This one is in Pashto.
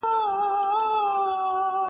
ځکه دغسي هوښیار دی او قابِل دی.